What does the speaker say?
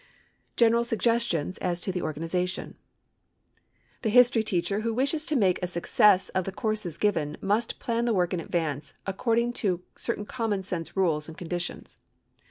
General Suggestions as to the Organization. The history teacher who wishes to make a success of the courses given must plan the work in advance according to certain common sense rules and conditions.